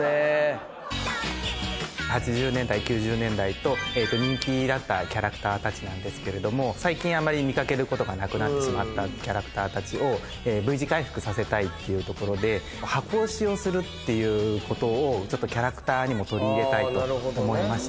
８０年代９０年代と人気だったキャラクターたちなんですけれども最近あまり見掛けることがなくなったキャラクターたちをＶ字回復させたいというところで箱推しをするっていうことをちょっとキャラクターにも取り入れたいと思いまして。